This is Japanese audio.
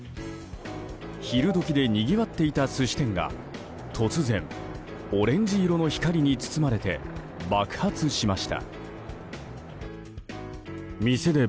昼時でにぎわっていた寿司店が突然、オレンジ色の光に包まれて爆発しました。